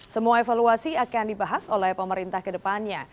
semua evaluasi akan dibahas oleh pemerintah kedepannya